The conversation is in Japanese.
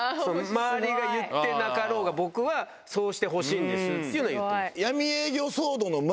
周りが言ってなかろうが僕はそうしてほしいんですっていうのは言ってました。